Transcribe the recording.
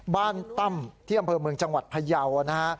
บ้านตั้มที่อำเภอเมืองจังหวัดพะเยาว์